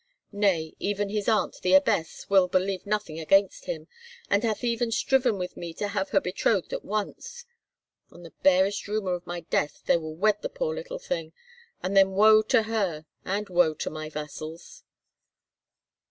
Nay, even his aunt, the abbess, will believe nothing against him, and hath even striven with me to have her betrothed at once. On the barest rumour of my death will they wed the poor little thing, and then woe to her, and woe to my vassals!"